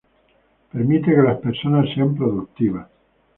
Permite que las personas sean productivas.